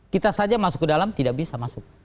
kita saja masuk ke dalam tidak bisa masuk